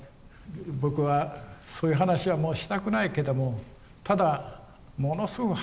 僕はそういう話はもうしたくないけどもただものすごく反省してると。